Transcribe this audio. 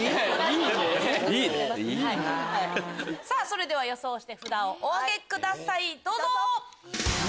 それでは予想して札をお挙げくださいどうぞ！